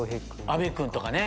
阿部君とかね。